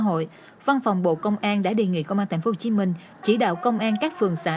hội văn phòng bộ công an đã đề nghị công an thành phố hồ chí minh chỉ đạo công an các phường xã